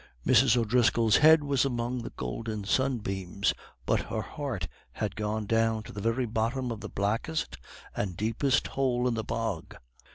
Mrs. O'Driscoll's head was among the golden sunbeams, but her heart had gone down to the very bottom of the blackest and deepest hole in the bog.